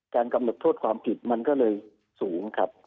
กำหนดโทษความผิดมันก็เลยสูงครับ